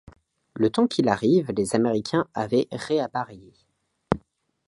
Le temps qu’il arrive, les Américains avaient ré-appareillé.